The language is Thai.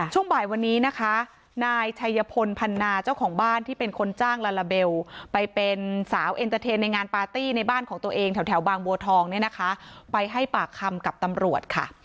ช่วงบ่ายวันนี้นะคะนายชัยพลพันนาเจ้าของบ้านที่เป็นคนจ้างลาลาเบลไปเป็นสาวเอ็นเตอร์เทนในงานปาร์ตี้ในบ้านของตัวเองแถวบางบัวทองเนี่ยนะคะไปให้ปากคำกับตำรวจค่ะ